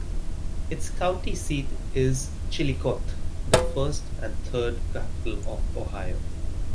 Its county seat is Chillicothe, the first and third capital of Ohio.